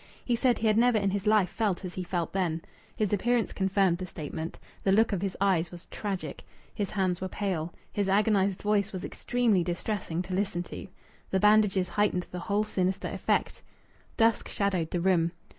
He said he had never in his life felt as he felt then. His appearance confirmed the statement. The look of his eyes was tragic. His hands were pale. His agonized voice was extremely distressing to listen to. The bandages heightened the whole sinister effect. Dusk shadowed the room.